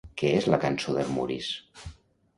Què és la cançó d'Armuris?